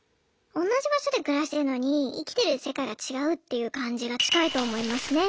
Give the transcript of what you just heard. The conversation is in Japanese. おんなじ場所で暮らしてんのに生きてる世界が違うっていう感じが近いと思いますね。